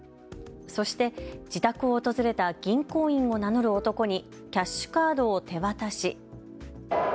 そして自宅を訪れた銀行員を名乗る男にキャッシュカードを手渡し。